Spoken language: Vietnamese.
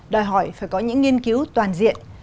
đòi hỏi phải có những nghiên cứu toàn diện